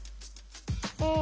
うん。